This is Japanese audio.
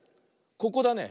ここだね。